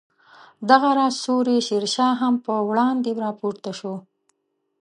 دغه راز سوري شیر شاه هم پر وړاندې راپورته شو.